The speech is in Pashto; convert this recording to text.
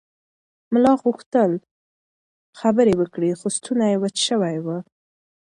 ملا غوښتل خبرې وکړي خو ستونی یې وچ شوی و.